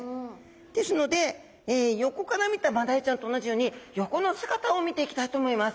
ですので横から見たマダイちゃんと同じように横の姿を見ていきたいと思います。